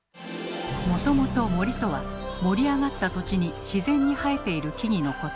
もともと「森」とは盛り上がった土地に自然に生えている木々のこと。